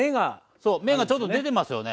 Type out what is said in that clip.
そう芽がちょっと出てますよね。